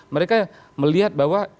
mereka melihat bahwa